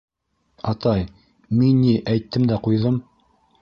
— Атай, мин ни әйттем дә ҡуйҙым.